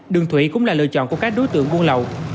đường thủy cũng là lựa chọn của các đối tượng buôn lậu